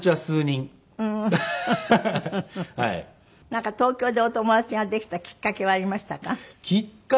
なんか東京でお友達ができたきっかけはありましたか？